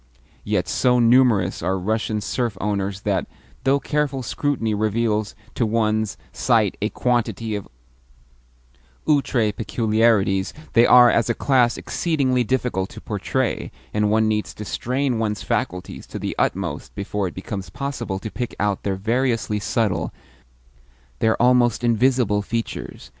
Yet, so numerous are Russian serf owners that, though careful scrutiny reveals to one's sight a quantity of outre peculiarities, they are, as a class, exceedingly difficult to portray, and one needs to strain one's faculties to the utmost before it becomes possible to pick out their variously subtle, their almost invisible, features.